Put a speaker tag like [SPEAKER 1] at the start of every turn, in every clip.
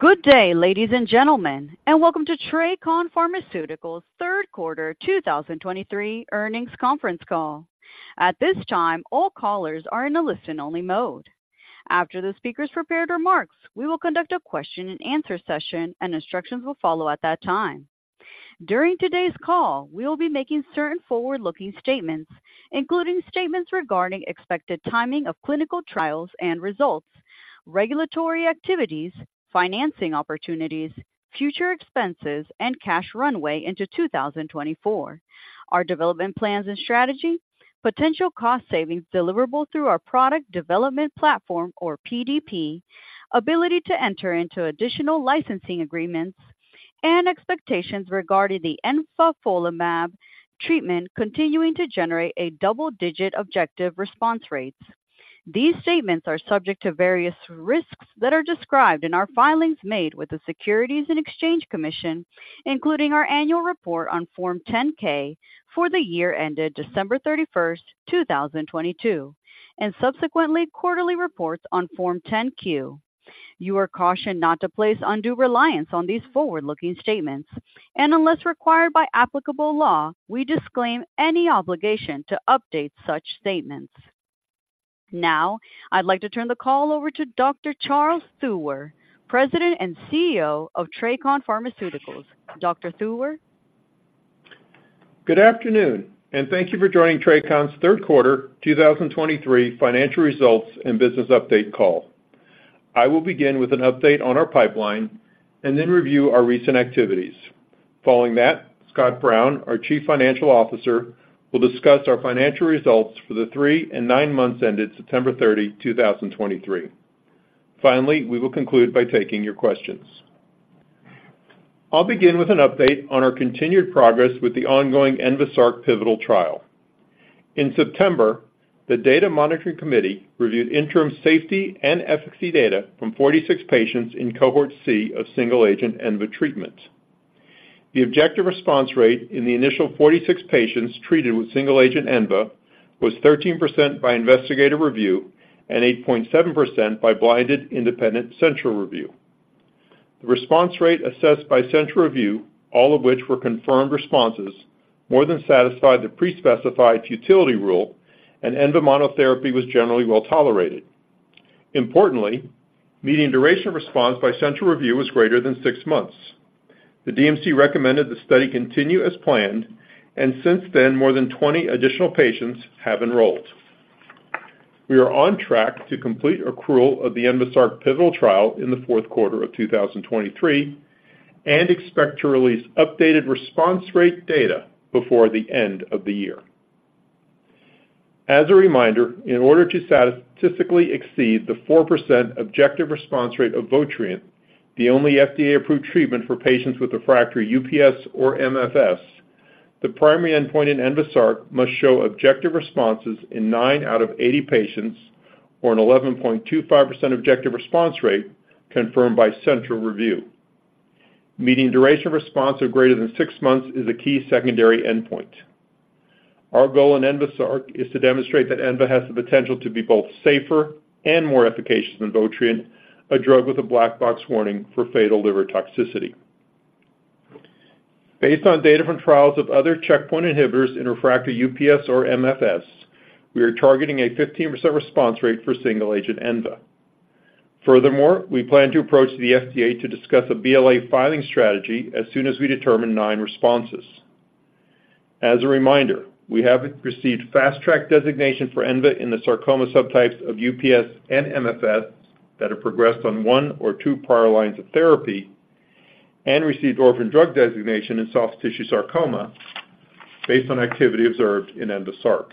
[SPEAKER 1] Good day, ladies and gentlemen, and welcome to TRACON Pharmaceuticals' third quarter 2023 earnings conference call. At this time, all callers are in a listen-only mode. After the speaker's prepared remarks, we will conduct a question-and-answer session, and instructions will follow at that time. During today's call, we will be making certain forward-looking statements, including statements regarding expected timing of clinical trials and results, regulatory activities, financing opportunities, future expenses, and cash runway into 2024. Our development plans and strategy, potential cost savings deliverable through our product development platform or PDP, ability to enter into additional licensing agreements, and expectations regarding the envafolimab treatment continuing to generate a double-digit objective response rates. These statements are subject to various risks that are described in our filings made with the Securities and Exchange Commission, including our annual report on Form 10-K for the year ended December 31, 2022, and subsequently quarterly reports on Form 10-Q. You are cautioned not to place undue reliance on these forward-looking statements, and unless required by applicable law, we disclaim any obligation to update such statements. Now, I'd like to turn the call over to Dr. Charles Theuer, President and CEO of TRACON Pharmaceuticals. Dr. Theuer?
[SPEAKER 2] Good afternoon, and thank you for joining TRACON's third quarter 2023 financial results and business update call. I will begin with an update on our pipeline and then review our recent activities. Following that, Scott Brown, our Chief Financial Officer, will discuss our financial results for the 3 and 9 months ended September 30, 2023. Finally, we will conclude by taking your questions. I'll begin with an update on our continued progress with the ongoing ENVASARC pivotal trial. In September, the Data Monitoring Committee reviewed interim safety and efficacy data from 46 patients in cohort C of single-agent ENVA treatment. The objective response rate in the initial 46 patients treated with single-agent ENVA was 13% by investigator review and 8.7% by blinded independent central review. The response rate assessed by central review, all of which were confirmed responses, more than satisfied the pre-specified futility rule, and ENVA monotherapy was generally well tolerated. Importantly, median duration of response by central review was greater than six months. The DMC recommended the study continue as planned, and since then, more than 20 additional patients have enrolled. We are on track to complete accrual of the ENVASARC pivotal trial in the fourth quarter of 2023 and expect to release updated response rate data before the end of the year. As a reminder, in order to statistically exceed the 4% objective response rate of Votrient, the only FDA-approved treatment for patients with refractory UPS or MFS, the primary endpoint in ENVASARC must show objective responses in 9 out of 80 patients, or an 11.25% objective response rate confirmed by central review. Median duration response of greater than 6 months is a key secondary endpoint. Our goal in ENVASARC is to demonstrate that ENVA has the potential to be both safer and more efficacious than Votrient, a drug with a black box warning for fatal liver toxicity. Based on data from trials of other checkpoint inhibitors in refractory UPS or MFS, we are targeting a 15% response rate for single-agent ENVA. Furthermore, we plan to approach the FDA to discuss a BLA filing strategy as soon as we determine nine responses. As a reminder, we have received Fast Track designation for ENVA in the sarcoma subtypes of UPS and MFS that have progressed on one or two prior lines of therapy and received Orphan Drug Designation in soft tissue sarcoma based on activity observed in ENVASARC.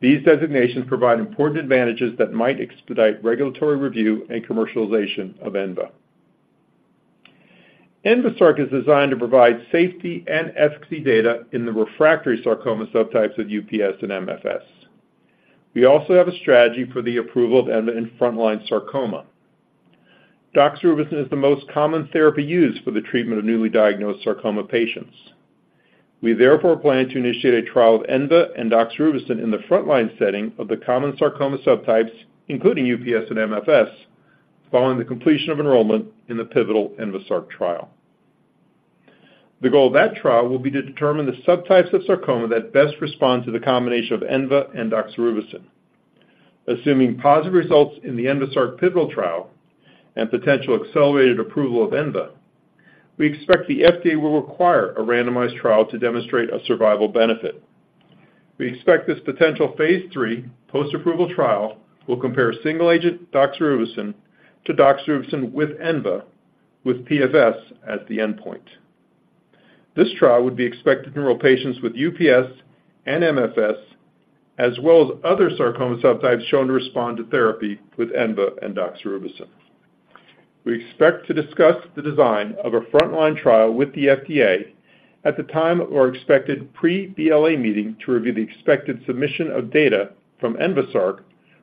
[SPEAKER 2] These designations provide important advantages that might expedite regulatory review and commercialization of ENVA. ENVASARC is designed to provide safety and efficacy data in the refractory sarcoma subtypes of UPS and MFS. We also have a strategy for the approval of ENVA in frontline sarcoma. Doxorubicin is the most common therapy used for the treatment of newly diagnosed sarcoma patients. We, therefore, plan to initiate a trial of ENVA and doxorubicin in the frontline setting of the common sarcoma subtypes, including UPS and MFS, following the completion of enrollment in the pivotal ENVASARC trial. The goal of that trial will be to determine the subtypes of sarcoma that best respond to the combination of ENVA and doxorubicin. Assuming positive results in the ENVASARC pivotal trial and potential accelerated approval of ENVA, we expect the FDA will require a randomized trial to demonstrate a survival benefit. We expect this potential phase III post-approval trial will compare a single-agent doxorubicin to doxorubicin with ENVA, with PFS as the endpoint. This trial would be expected to enroll patients with UPS and MFS, as well as other sarcoma subtypes shown to respond to therapy with ENVA and doxorubicin. We expect to discuss the design of a frontline trial with the FDA at the time of our expected pre-BLA meeting to review the expected submission of data from ENVASARC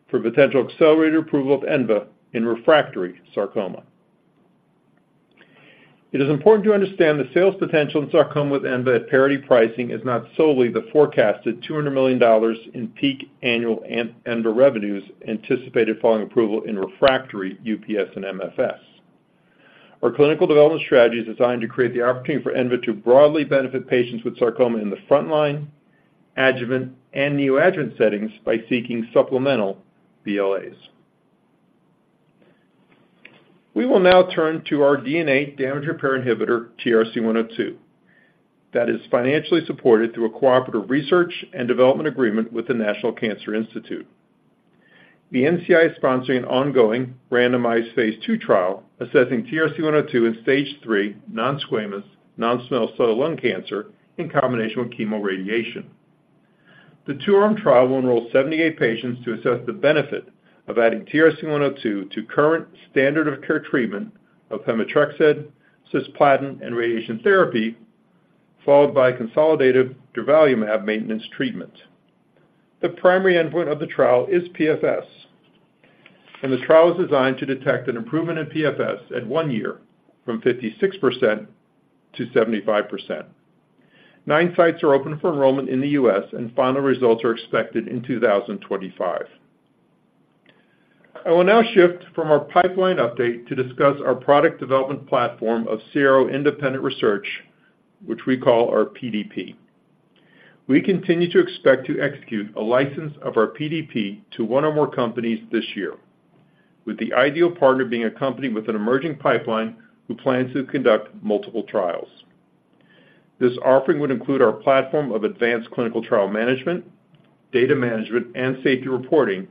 [SPEAKER 2] for potential accelerated approval of ENVA in refractory sarcoma. It is important to understand the sales potential in sarcoma with ENVA at parity pricing is not solely the forecasted $200 million in peak annual ENVA revenues anticipated following approval in refractory UPS and MFS. Our clinical development strategy is designed to create the opportunity for ENVA to broadly benefit patients with sarcoma in the frontline, adjuvant, and neoadjuvant settings by seeking supplemental BLAs. We will now turn to our DNA damage repair inhibitor, TRC102, that is financially supported through a cooperative research and development agreement with the National Cancer Institute. The NCI is sponsoring an ongoing randomized phase II trial assessing TRC102 in stage III non-squamous, non-small cell lung cancer in combination with chemoradiation. The two-arm trial will enroll 78 patients to assess the benefit of adding TRC102 to current standard of care treatment of pemetrexed, cisplatin, and radiation therapy, followed by consolidative durvalumab maintenance treatment. The primary endpoint of the trial is PFS, and the trial is designed to detect an improvement in PFS at one year from 56% to 75%. Nine sites are open for enrollment in the U.S., and final results are expected in 2025. I will now shift from our pipeline update to discuss our product development platform of CRO independent research, which we call our PDP. We continue to expect to execute a license of our PDP to one or more companies this year, with the ideal partner being a company with an emerging pipeline who plans to conduct multiple trials. This offering would include our platform of advanced clinical trial management, data management, and safety reporting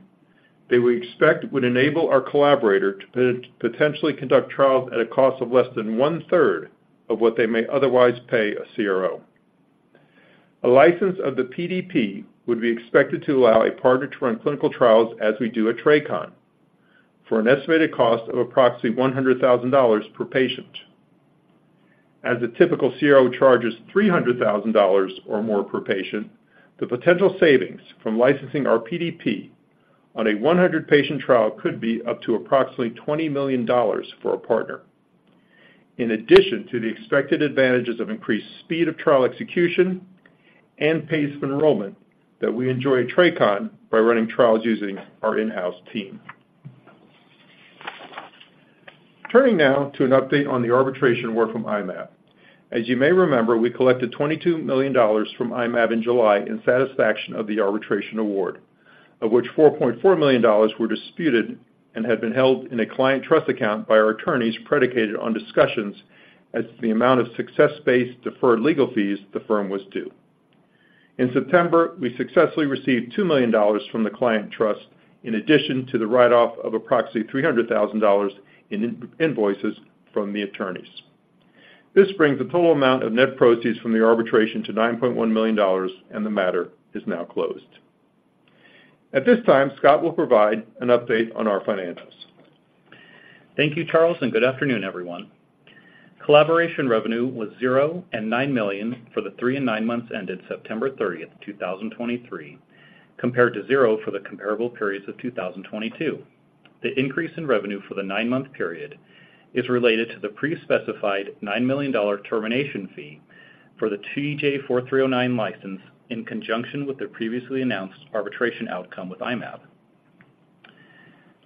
[SPEAKER 2] that we expect would enable our collaborator to potentially conduct trials at a cost of less than one-third of what they may otherwise pay a CRO. A license of the PDP would be expected to allow a partner to run clinical trials as we do at TRACON, for an estimated cost of approximately $100,000 per patient. As a typical CRO charges $300,000 or more per patient, the potential savings from licensing our PDP on a 100-patient trial could be up to approximately $20 million for a partner. In addition to the expected advantages of increased speed of trial execution and pace of enrollment that we enjoy at TRACON by running trials using our in-house team. Turning now to an update on the arbitration award from I-Mab. As you may remember, we collected $22 million from I-Mab in July in satisfaction of the arbitration award, of which $4.4 million were disputed and had been held in a client trust account by our attorneys, predicated on discussions as to the amount of success-based deferred legal fees the firm was due. In September, we successfully received $2 million from the client trust, in addition to the write-off of approximately $300,000 in invoices from the attorneys. This brings the total amount of net proceeds from the arbitration to $9.1 million, and the matter is now closed. At this time, Scott will provide an update on our financials.
[SPEAKER 3] Thank you, Charles, and good afternoon, everyone. Collaboration revenue was $0 and $9 million for the three and nine months ended September 30, 2023, compared to $0 for the comparable periods of 2022. The increase in revenue for the nine-month period is related to the pre-specified $9 million termination fee for the TJ004309 license, in conjunction with the previously announced arbitration outcome with I-Mab.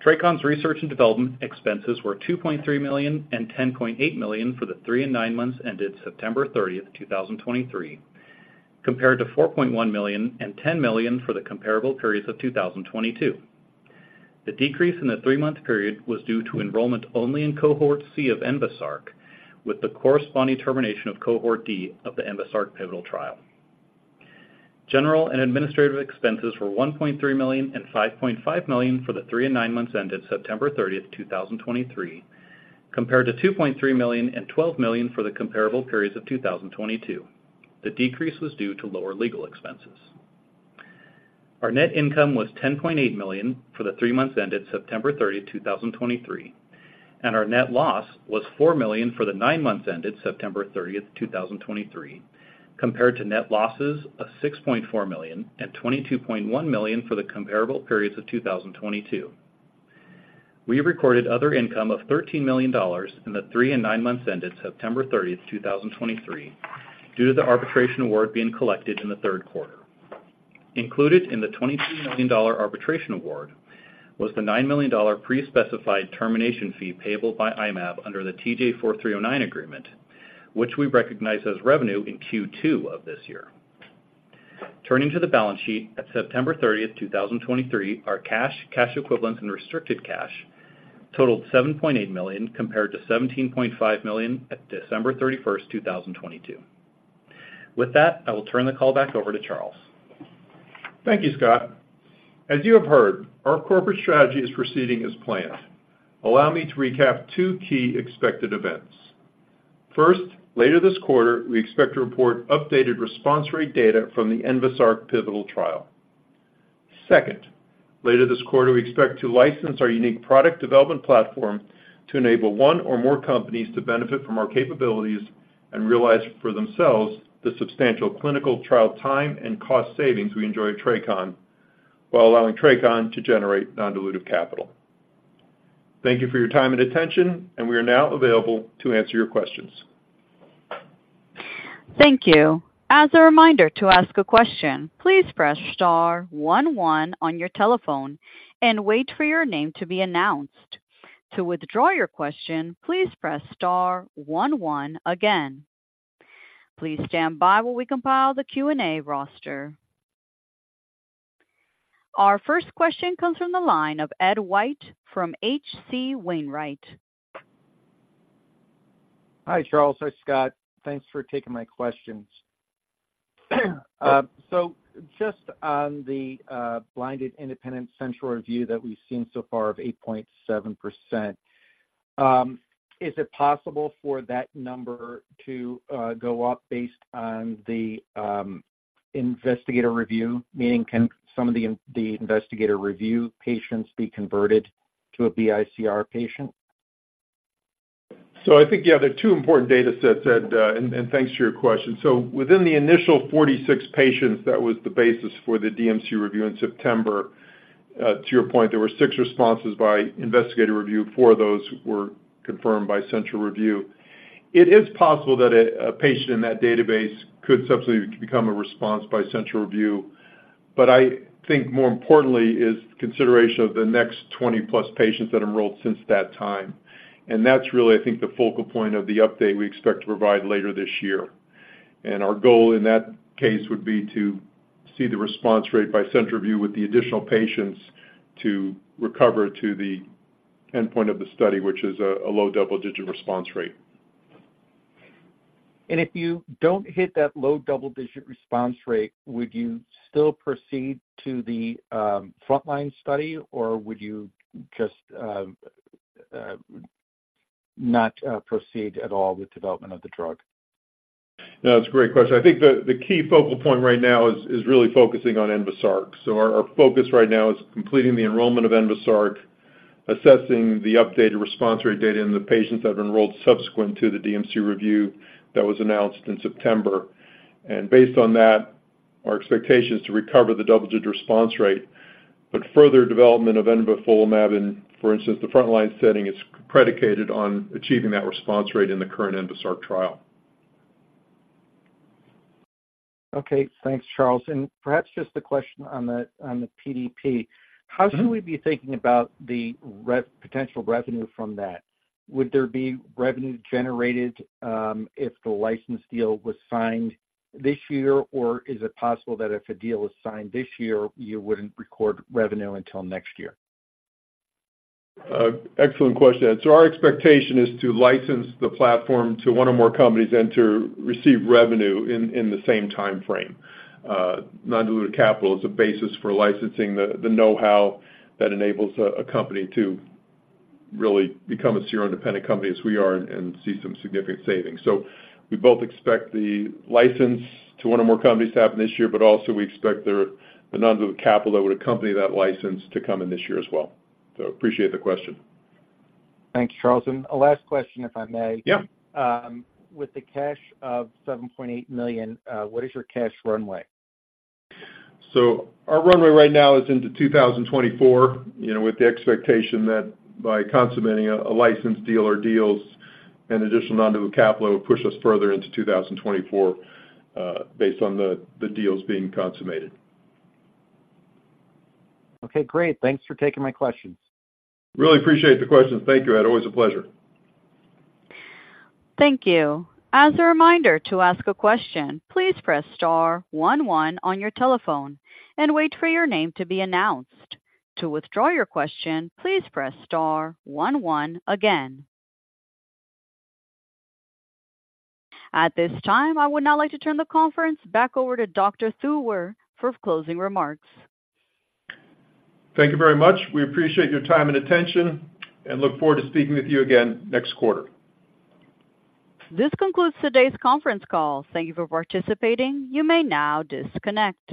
[SPEAKER 3] TRACON's research and development expenses were $2.3 million and $10.8 million for the three and nine months ended September 30, 2023, compared to $4.1 million and $10 million for the comparable periods of 2022. The decrease in the three-month period was due to enrollment only in cohort C of ENVASARC, with the corresponding termination of cohort D of the ENVASARC pivotal trial. General and administrative expenses were $1.3 million and $5.5 million for the three and nine months ended September 30, 2023, compared to $2.3 million and $12 million for the comparable periods of 2022. The decrease was due to lower legal expenses. Our net income was $10.8 million for the three months ended September 30, 2023, and our net loss was $4 million for the nine months ended September 30, 2023, compared to net losses of $6.4 million and $22.1 million for the comparable periods of 2022. We recorded other income of $13 million in the three and nine months ended September 30, 2023, due to the arbitration award being collected in the third quarter. Included in the $22 million arbitration award was the $9 million pre-specified termination fee payable by I-Mab under the TJ004309 agreement, which we recognized as revenue in Q2 of this year. Turning to the balance sheet, at September 30, 2023, our cash, cash equivalents, and restricted cash totaled $7.8 million, compared to $17.5 million at December 31, 2022. With that, I will turn the call back over to Charles.
[SPEAKER 2] Thank you, Scott. As you have heard, our corporate strategy is proceeding as planned. Allow me to recap two key expected events. First, later this quarter, we expect to report updated response rate data from the ENVASARC pivotal trial. Second, later this quarter, we expect to license our unique product development platform to enable one or more companies to benefit from our capabilities and realize for themselves the substantial clinical trial time and cost savings we enjoy at TRACON, while allowing TRACON to generate non-dilutive capital. Thank you for your time and attention, and we are now available to answer your questions.
[SPEAKER 1] Thank you. As a reminder to ask a question, please press star one one on your telephone and wait for your name to be announced. To withdraw your question, please press star one one again. Please stand by while we compile the Q&A roster. Our first question comes from the line of Ed White from H.C. Wainwright.
[SPEAKER 4] Hi, Charles. Hi, Scott. Thanks for taking my questions. So just on the blinded independent central review that we've seen so far of 8.7%, is it possible for that number to go up based on the investigator review? Meaning, can some of the investigator review patients be converted to a BICR patient?
[SPEAKER 2] So I think, yeah, there are two important data sets, Ed, and thanks for your question. So within the initial 46 patients, that was the basis for the DMC review in September. To your point, there were 6 responses by investigator review, four of those were confirmed by central review. It is possible that a patient in that database could subsequently become a response by central review, but I think more importantly is consideration of the next 20+ patients that enrolled since that time. And that's really, I think, the focal point of the update we expect to provide later this year. And our goal in that case would be to see the response rate by central review with the additional patients to recover to the endpoint of the study, which is a low double-digit response rate.
[SPEAKER 4] If you don't hit that low double-digit response rate, would you still proceed to the frontline study, or would you just not proceed at all with development of the drug?
[SPEAKER 2] No, that's a great question. I think the key focal point right now is really focusing on ENVASARC. So our focus right now is completing the enrollment of ENVASARC, assessing the updated response rate data in the patients that have enrolled subsequent to the DMC review that was announced in September. And based on that, our expectation is to recover the double-digit response rate. But further development of envafolimab, for instance, the frontline setting, is predicated on achieving that response rate in the current ENVASARC trial.
[SPEAKER 4] Okay. Thanks, Charles. Perhaps just a question on the PDP.
[SPEAKER 2] Mm-hmm.
[SPEAKER 4] How should we be thinking about the revenue potential from that? Would there be revenue generated if the license deal was signed this year, or is it possible that if a deal is signed this year, you wouldn't record revenue until next year?
[SPEAKER 2] Excellent question, Ed. So our expectation is to license the platform to one or more companies and to receive revenue in, in the same timeframe. Non-dilutive capital is a basis for licensing the, the know-how that enables a, a company to really become a serial independent company as we are and, and see some significant savings. So we both expect the license to one or more companies to happen this year, but also we expect the, the non-dilutive capital that would accompany that license to come in this year as well. So appreciate the question.
[SPEAKER 4] Thank you, Charles. A last question, if I may.
[SPEAKER 2] Yeah.
[SPEAKER 4] With the cash of $7.8 million, what is your cash runway?
[SPEAKER 2] So our runway right now is into 2024, you know, with the expectation that by consummating a license deal or deals, an additional non-dilutive capital will push us further into 2024, based on the deals being consummated.
[SPEAKER 4] Okay, great. Thanks for taking my questions.
[SPEAKER 2] Really appreciate the questions. Thank you, Ed. Always a pleasure.
[SPEAKER 1] Thank you. As a reminder to ask a question, please press star one one on your telephone and wait for your name to be announced. To withdraw your question, please press star one one again. At this time, I would now like to turn the conference back over to Dr. Theuer for closing remarks.
[SPEAKER 2] Thank you very much. We appreciate your time and attention, and look forward to speaking with you again next quarter.
[SPEAKER 1] This concludes today's conference call. Thank you for participating. You may now disconnect.